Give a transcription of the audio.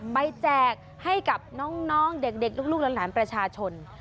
แจกให้กับน้องเด็กลูกหลานประชาชน